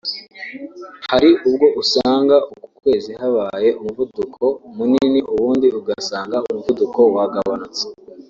hari ubwo usanga uku kwezi habaye umuvuduko munini ubundi ugasanga umuvuduko wagabanutse